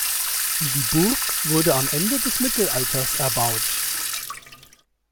Die Burg wurde am Ende des Mittelalters erbaut.